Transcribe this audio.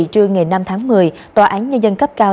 trưa ngày năm tháng một mươi tòa án nhân dân cấp cao